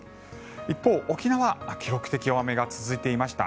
一方、沖縄は記録的大雨が続いていました。